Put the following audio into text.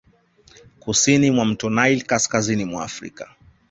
Kusini mwa mto Naili kaskazini mwa Afrika